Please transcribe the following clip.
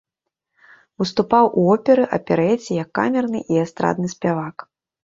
Выступаў у оперы, аперэце, як камерны і эстрадны спявак.